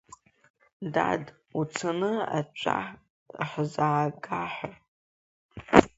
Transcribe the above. Дад, уцаны аҵәа ҳзаага ҳәа.